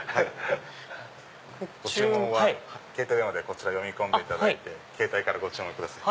ご注文は携帯電話でこちら読み込んでいただいてケータイからご注文ください。